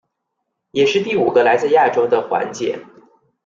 也是第五个来自亚洲的环姐。